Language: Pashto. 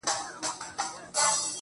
هله سي ختم، په اشاره انتظار